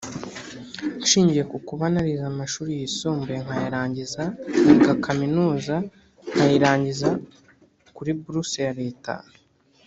nshingiye ku kuba narize amashuri yisumbuye nkayarangiza nkiga Kaminuza nkayirangiza kuri buruse ya Leta